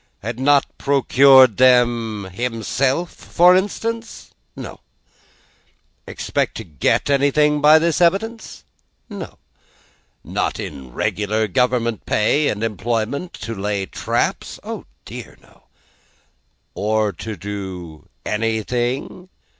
Had not procured them himself, for instance? No. Expect to get anything by this evidence? No. Not in regular government pay and employment, to lay traps? Oh dear no. Or to do anything?